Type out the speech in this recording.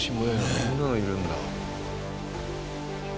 こんなのいるんだ。